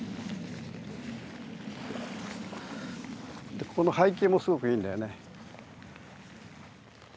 でこの背景もすごくいいんだよね。